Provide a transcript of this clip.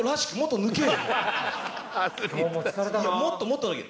いやもっともっと抜け。